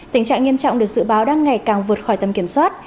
tình trạng nghiêm trọng được dự báo đang ngày càng vượt khỏi tầm kiểm soát